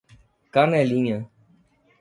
Canelinha